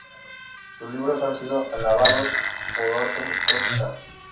Sus libros han sido alabados por Orson Scott Card.